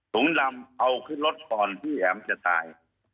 ถุงดำเอาขึ้นรถก่อนที่แอ๋มจะตาย